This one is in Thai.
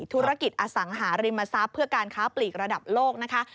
ธุรกิจอสังหาริมทรัพย์เพื่อการค้าปลีกระดับโลกนะคะ